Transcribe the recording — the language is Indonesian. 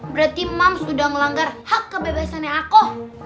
berarti mams udah melanggar hak kebebasannya aku